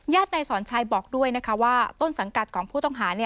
นายสอนชัยบอกด้วยนะคะว่าต้นสังกัดของผู้ต้องหา